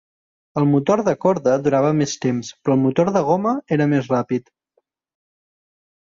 El motor de corda durava més temps, però el motor de goma era més ràpid.